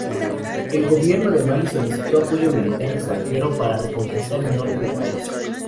El Gobierno de Malí solicitó apoyo militar extranjero para reconquistar el norte del país.